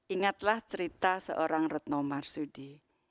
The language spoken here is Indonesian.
ingatlah cerita seorang retno marsudi